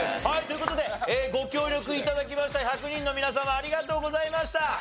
はいという事でご協力頂きました１００人の皆様ありがとうございました。